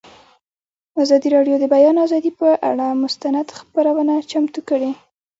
ازادي راډیو د د بیان آزادي پر اړه مستند خپرونه چمتو کړې.